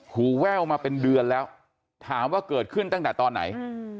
แว่วมาเป็นเดือนแล้วถามว่าเกิดขึ้นตั้งแต่ตอนไหน